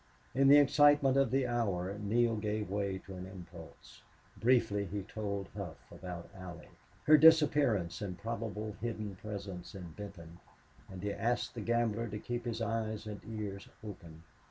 In the excitement of the hour Neale gave way to an impulse. Briefly he told Hough about Allie her disappearance and probable hidden presence in Benton, and he asked the gambler to keep his eyes and ears open.